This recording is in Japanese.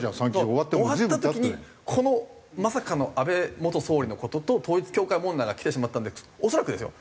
終わった時にこのまさかの安倍元総理の事と統一教会問題がきてしまったので恐らくですよ